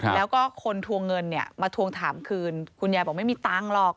แล้วก็คนทวงเงินเนี่ยมาทวงถามคืนคุณยายบอกไม่มีตังค์หรอก